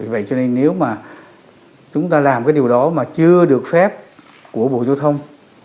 vậy cho nên nếu mà chúng ta làm cái điều đó mà chưa được phép của bộ giao thông